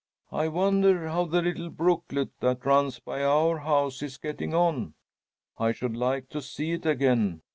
"I wonder how the little brooklet that runs by our house is getting on? I should like to see it again.